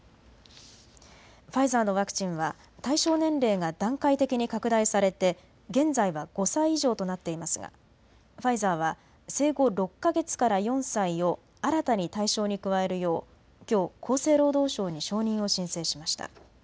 ファイザーのワクチンは対象年齢が段階的に拡大されて現在は５歳以上となっていますがファイザーは生後６か月から４歳を新たに対象に加えるようきょう厚生労働省に承認を申請しました。